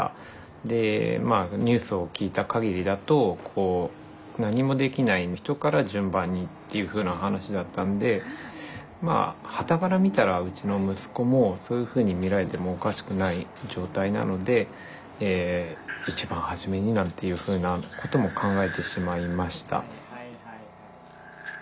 でニュースを聞いた限りだと何もできない人から順番にっていうふうな話だったんでまあはたから見たらうちの息子もそういうふうに見られてもおかしくない状態なので一番初めになんていうふうなことも考えてしまいました。